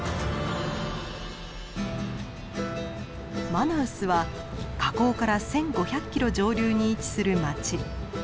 マナウスは河口から１，５００ｋｍ上流に位置する街。